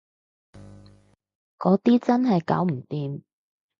嗰啲真係搞唔掂